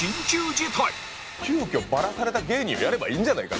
急きょバラされた芸人をやればいいんじゃないか。